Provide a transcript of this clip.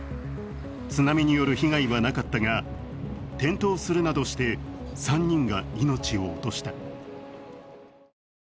津波による被害はなかったが、転倒するなどして３人が命を落とした。